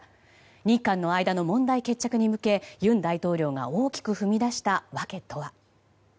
日韓の間の問題決着に向け尹大統領が大きく踏み出した訳とは？